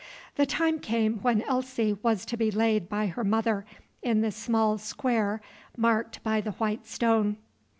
The time came when Elsie was to be laid by her mother in the small square marked by the white stone.